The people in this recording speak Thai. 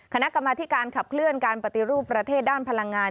คณะกรรมธิการขับเคลื่อนการปฏิรูปประเทศด้านพลังงาน